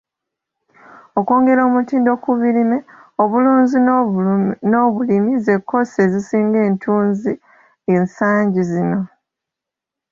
Okwongera omutindo ku birime, obulunzi n'obulimi ze kkoosi ezisinga ettunzi ensangi zino.